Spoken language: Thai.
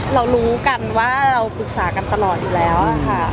เรารู้กันว่าเราปรึกษากันตลอดอยู่แล้วค่ะ